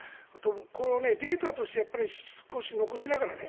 このデータとして少し残しながらね